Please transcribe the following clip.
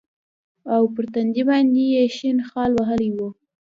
او پر تندي باندې يې شين خال وهلى و.